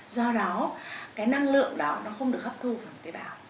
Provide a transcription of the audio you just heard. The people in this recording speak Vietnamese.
do đó cái năng lượng đó nó không được hấp thu bằng tế bào